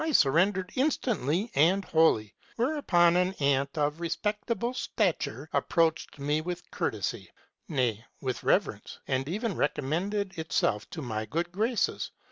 surrendered instantly and wholly, whereupon an ant of re spectable stature approached me with courtesy, nay, with reverence, and even recommended itself to my good graces.